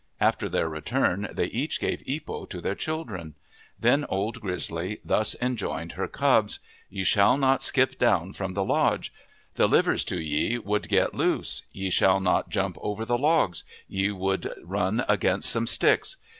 After their return they each gave ipo to their children. Then Old Grizzly thus enjoined her cubs : "Ye shall not skip down from the lodge; the livers to ye would get loose. Ye shall not jump over the logs ; ye would run against some sticks.